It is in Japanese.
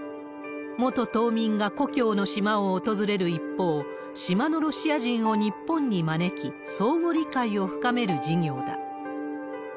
元島民が故郷の島を訪れる一方、島のロシア人を日本に招き、相互理解を深める事業だ。